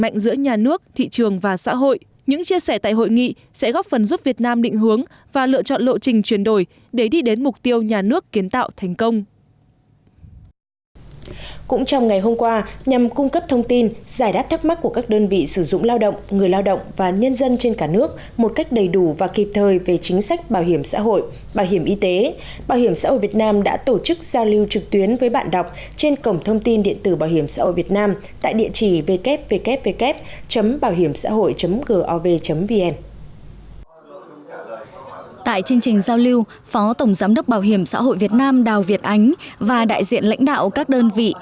tại chương trình giao lưu phó tổng giám đốc bảo hiểm xã hội việt nam đào việt ánh và đại diện lãnh đạo các đơn vị